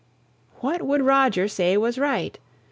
What would Roger say was right?